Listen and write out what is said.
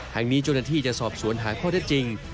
ทางนี้จุดนัดที่จะสอบสวนหาข้อได้จริง